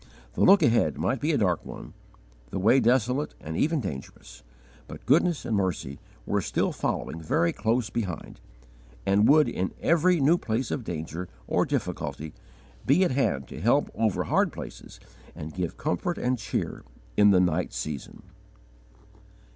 The look ahead might be a dark one, the way desolate and even dangerous, but goodness and mercy were still following very close behind, and would in every new place of danger or difficulty be at hand to help over hard places and give comfort and cheer in the night season.